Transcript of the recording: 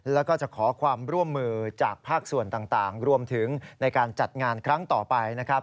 และในการจัดงานครั้งต่อไปนะครับ